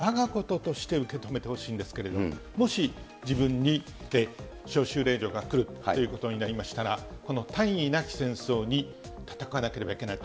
これ、日本の若い方々は、わが事として受け止めてほしいんですけれども、もし自分に招集令状が来るということになりましたら、この大義なき戦争に戦わなければいけない。